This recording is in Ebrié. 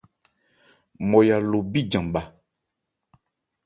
Nmɔya lo bíjan bha.